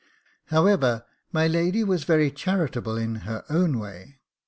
However, my lady was very charitable in her own way.